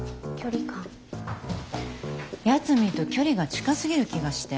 八海と距離が近すぎる気がして。